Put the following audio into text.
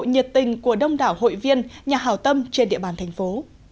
nhiệt tình của đông đảo hội viên nhà hào tâm trên địa bàn thành phố